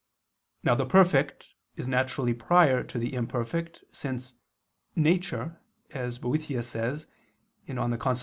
Now the perfect is naturally prior to the imperfect, since "nature," as Boethius says (De Consol.